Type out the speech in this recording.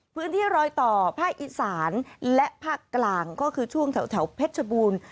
พื้นที่รอยต่อภาคอีสานและภาคกลางก็คือช่วงแถวเพชรบูรณ์